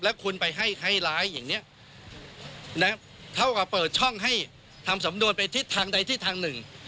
แล้วคุณไปให้ร้ายอย่างนี้เท่ากับเปิดช่องให้ทำสำนวนไปทิศทางใดทิศทางหนึ่ง